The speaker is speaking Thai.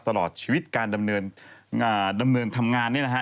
ตลอดชีวิตการดำเนินดำเนินทำงานเนี่ยนะฮะ